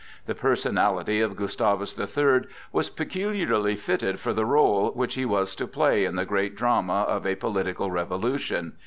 The personality of Gustavus the Third was peculiarly fitted for the rôle which he was to play in the great drama of a political revolution.